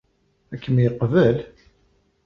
Ad kem-yeqbel?